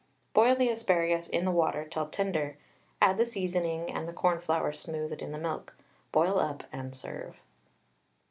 Boil the asparagus in the water till tender, add the seasoning, and the cornflour smoothed in the milk, boil up and serve.